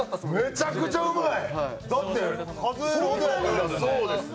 めちゃくちゃうまい。